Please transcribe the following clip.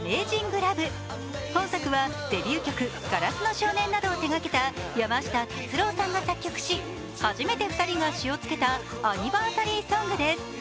本作は、デビュー曲「硝子の少年」などを手がけた山下達郎さんが作曲し初めて２人が詞をつけたアニバーサリーソングです。